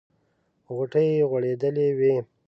غوټۍ یې غوړېدلې وې.